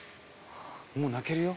もう泣けるよ。